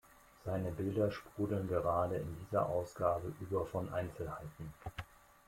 Seine Bilder sprudeln gerade in dieser Ausgabe über von Einzelheiten.